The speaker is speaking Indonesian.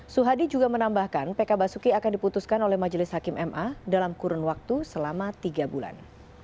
suhadi juga menambahkan pk basuki akan diputuskan oleh majelis hakim ma dalam kurun waktu selama tiga bulan